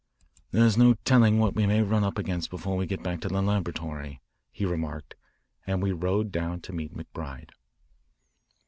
"There's no telling what we may run up against before we get back to the laboratory," he remarked and we rode down to meet McBride.